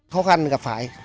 khó khăn gặp phải